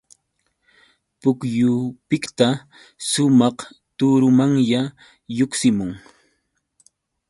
Pukyupiqta sumaq turumanya lluqsimun.